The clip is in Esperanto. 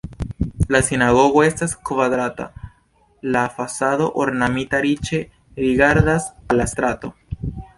La sinagogo estas kvadrata, la fasado ornamita riĉe rigardas al la strato.